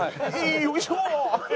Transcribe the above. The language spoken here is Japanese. よいしょ！